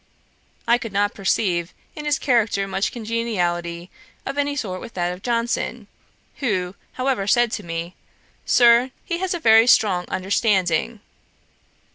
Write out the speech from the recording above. I could not perceive in his character much congeniality of any sort with that of Johnson, who, however, said to me, 'Sir, he has a very strong understanding.'